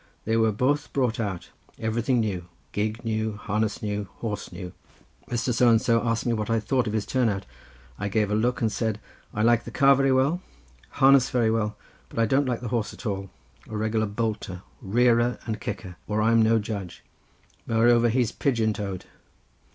They were both brought out—everything new: gig new, harness new, and horse new. Mr. So and so asked me what I thought of his turn out. I gave a look and said, 'I like the car very well, harness very well, but I don't like the horse at all: a regular bolter, rearer, and kicker, or I'm no judge; moreover, he's pigeon toed.